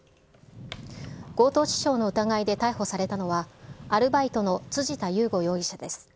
強盗致傷の疑いで逮捕されたのは、アルバイトの辻田雄吾容疑者です。